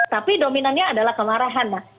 tapi dominannya adalah kemarahan